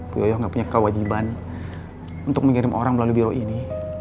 bu yoyo gak punya kewajiban untuk mengirim orang melalui biro ini